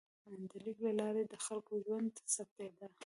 د لیک له لارې د خلکو ژوند ثبتېده.